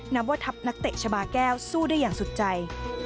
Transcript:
นับว่าทัพนักเตะชาบาแก้วสู้ได้อย่างสุดใจ